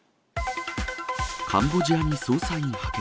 カンボジアに捜査員派遣。